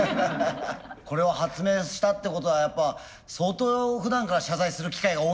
これを発明したってことはやっぱ相当ふだんから謝罪する機会が多いんだろうね。